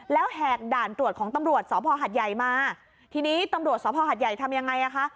แล้วแหกด่านตรวจของตำรวจสภหัดใหญ่มาทีนี้ตำรวจสภหัดใหญ่ทำยังไงอ่ะคะ